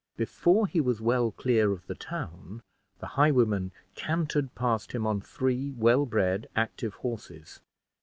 Before he was well clear of the town, the highwaymen cantered past him on three well bred active horses.